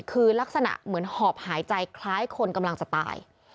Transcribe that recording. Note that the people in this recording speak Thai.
คือลักษณะเหมือนหอบหายใจคล้ายคนกำลังจะตาย